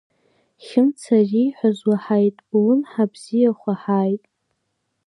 Хьымца ари ииҳәаз уаҳаит, улымҳа бзиахә аҳааит…